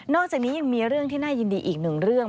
อกจากนี้ยังมีเรื่องที่น่ายินดีอีกหนึ่งเรื่อง